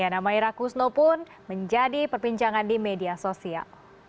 nama ira kusno pun menjadi perbincangan di media sosial